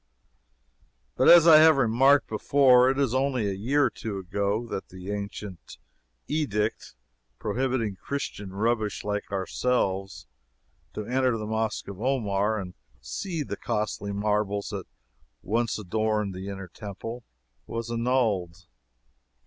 But, as I have remarked before, it is only a year or two ago that the ancient edict prohibiting Christian rubbish like ourselves to enter the Mosque of Omar and see the costly marbles that once adorned the inner Temple was annulled.